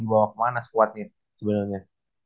bawa kemana squadnya sebenernya